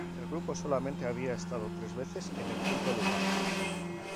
El grupo solamente había estado tres veces en el quinto lugar.